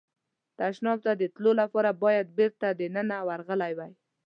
تشناب ته د تلو لپاره باید بېرته دننه ورغلی وای.